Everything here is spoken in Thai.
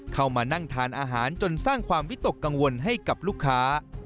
เข้ามานั่งทานอาหารจนสร้างความวิตกกังวลให้กับลูกค้า